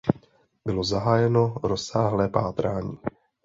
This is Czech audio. Bylo zahájeno rozsáhlé pátrání.